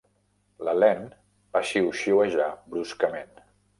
L'Helene va xiuxiuejar bruscament.